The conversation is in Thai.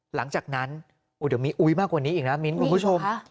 หลังจากนั้นเดี๋ยวมีอุ๊ยมากกว่านี้อีกนะมิ้นคุณผู้ชม